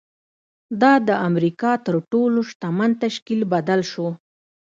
دا د امریکا تر تر ټولو شتمن تشکیل بدل شو